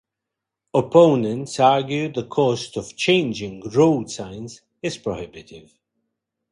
Opponents argue the cost of changing road signs is prohibitive.